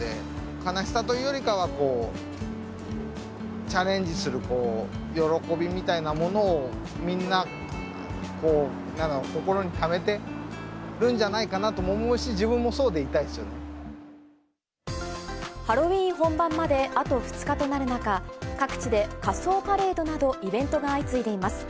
悲しさというよりかは、こう、チャレンジする喜びみたいなものを、みんな、心にためてるんじゃないかなとも思うし、自分もそうでいたいですハロウィーン本番まであと２日となる中、各地で仮装パレードなど、イベントが相次いでいます。